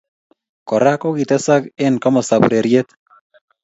Kora ko kitesak eng komostab ureriet